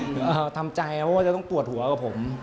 ครับทำใจเพราะว่าต้องตัวตัวเขากับผม